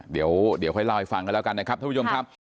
เดี๋ยวค่อยเล่าให้ฟังกันแล้วกันนะครับท่านผู้ชมครับ